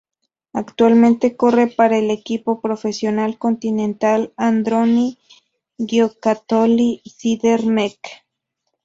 Actualmente corre para el equipo profesional continental Androni Giocattoli-Sidermec.